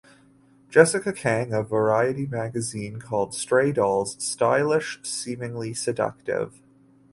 Jessica Kiang of "Variety" magazine called "Stray Dolls" "stylish" and "seemingly seductive".